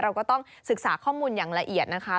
เราก็ต้องศึกษาข้อมูลอย่างละเอียดนะคะ